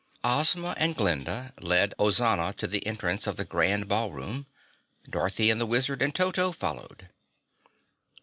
Ozma and Glinda led Ozana to the entrance of the Grand Ballroom. Dorothy and the Wizard and Toto followed.